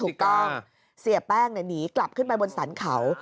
ถูกต้องเสียแป้งหนีกลับขึ้นไปบนสรรเขา